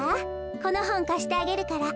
このほんかしてあげるから。